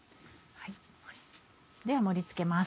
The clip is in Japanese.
では盛り付けます。